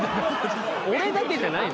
俺だけじゃない。